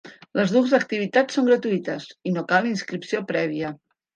Les dues activitats són gratuïtes i no cal inscripció prèvia.